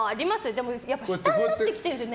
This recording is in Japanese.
でも下になってきているんですよ。